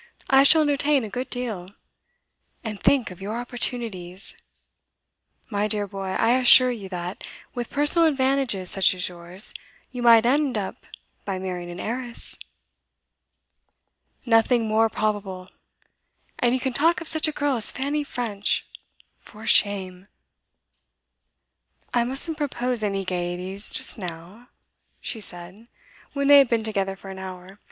I shall entertain a good deal and think of your opportunities! My dear boy, I assure you that, with personal advantages such as yours, you might end by marrying an heiress. Nothing more probable! And you can talk of such a girl as Fanny French for shame! 'I mustn't propose any gaieties just now,' she said, when they had been together for an hour.